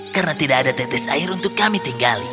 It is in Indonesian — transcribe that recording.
karena tidak ada tetes air untuk kami tinggali